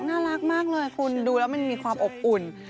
น่ารักมากเลยคุณดูแล้วมันมีความอบอุ่น